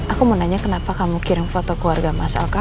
aku mau nanya kenapa kamu kirim foto keluarga mas al ke aku